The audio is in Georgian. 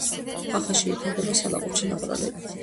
ხახაში ვითარდება სალაყუჩე ნაპრალები.